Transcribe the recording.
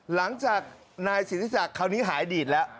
หลังจากนายศิริษัทคราวนี้หายดีดแล้ว